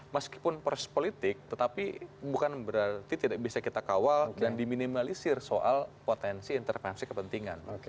meskipun proses politik tetapi bukan berarti tidak bisa kita kawal dan diminimalisir soal potensi intervensi kepentingan